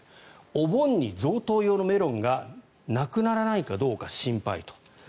お盆に贈答用のメロンがなくならないかどうか心配と。